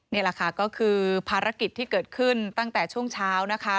นี่แหละค่ะก็คือภารกิจที่เกิดขึ้นตั้งแต่ช่วงเช้านะคะ